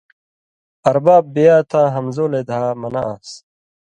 ارباب بیا تاں ہمزولئ دھا منہ آن٘س